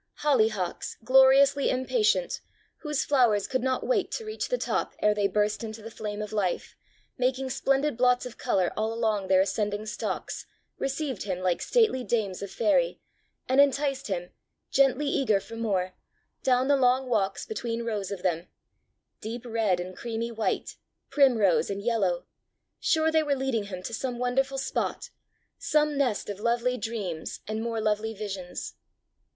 Hollyhocks, gloriously impatient, whose flowers could not wait to reach the top ere they burst into the flame of life, making splendid blots of colour along their ascending stalks, received him like stately dames of faerie, and enticed him, gently eager for more, down the long walks between rows of them deep red and creamy white, primrose and yellow: sure they were leading him to some wonderful spot, some nest of lovely dreams and more lovely visions!